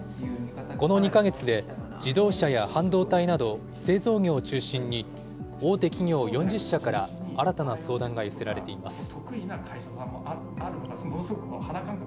この２か月で、自動車や半導体など製造業を中心に、大手企業４０社から新たな相談が寄せられています。